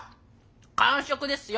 間食ですよ。